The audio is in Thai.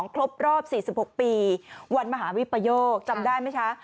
ครบรอบ๔๖ปีวันมหาวิปโยคจำได้ไหมคะ